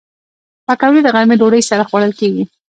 پکورې د غرمې ډوډۍ سره خوړل کېږي